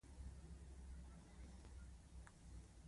پادري له شرمه مسکی شو او سر یې وښوراوه.